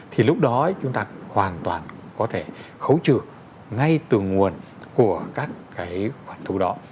thì lúc đó chúng ta hoàn toàn có thể khấu trừ ngay từ nguồn của các cái khoản thu đó